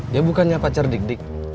dia bukannya pacar dik dik